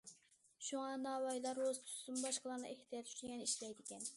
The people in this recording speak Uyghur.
شۇڭا ناۋايلار روزا تۇتسىمۇ، باشقىلارنىڭ ئېھتىياجى ئۈچۈن يەنە ئىشلەيدىكەن.